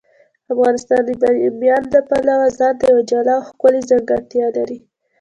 افغانستان د بامیان د پلوه ځانته یوه جلا او ښکلې ځانګړتیا لري.